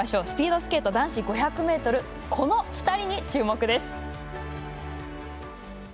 スピードスケート、男子５００ｍこの２人に注目です。